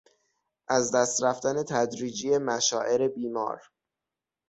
از دست رفتن تدریجی مشاعر بیمار